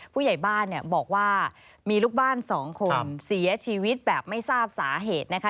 ผู้ใหญ่บ้านเนี่ยบอกว่ามีลูกบ้านสองคนเสียชีวิตแบบไม่ทราบสาเหตุนะคะ